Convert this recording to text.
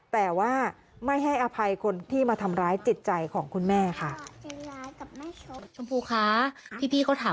แต่ว่าไม่ให้อภัยคนที่มาทำร้ายจิตใจของคุณแม่ค่ะ